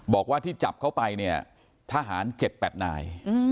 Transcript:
บอกว่าที่จับเขาไปเนี่ยทหารเจ็ดแปดนาย